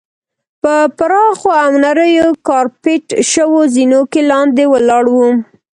په پراخو او نریو کارپیټ شوو زینو کې لاندې ولاړو.